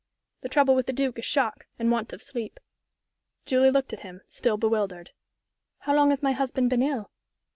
"The trouble with the Duke is shock, and want of sleep." Julie looked at him, still bewildered. "How long has my husband been ill?"